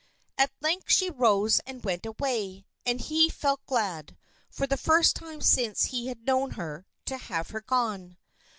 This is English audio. At length she rose and went away, and he felt glad, for the first time since he had known her, to have her gone.